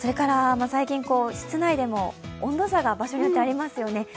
最近、室内でも温度差が場所によってありますよね。